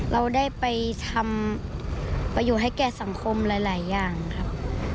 เราได้ไปทำประโยชน์ให้แก่สังคมหลายอย่างครับ